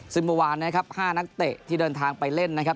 ซึ่งเมื่อวานนะครับ๕นักเตะที่เดินทางไปเล่นนะครับ